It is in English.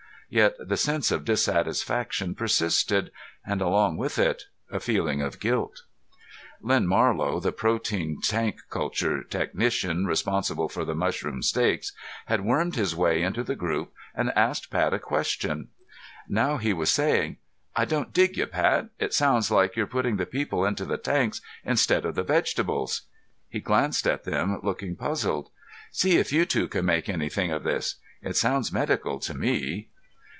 Yet the sense of dissatisfaction persisted, and along with it a feeling of guilt. Len Marlow, the protein tank culture technician responsible for the mushroom steaks, had wormed his way into the group and asked Pat a question. Now he was saying, "I don't dig you, Pat. It sounds like you're putting the people into the tanks instead of the vegetables!" He glanced at them, looking puzzled. "See if you two can make anything of this. It sounds medical to me."